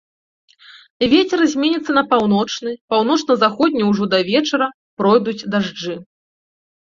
Вецер зменіцца на паўночны, паўночна-заходні ўжо да вечара, пройдуць дажджы.